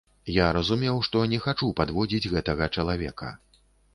Я разумеў, што не хачу падводзіць гэтага чалавека.